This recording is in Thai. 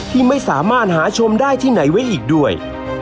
ที่ไม่สามารถหาชมได้ที่ไหนไว้อีกด้วย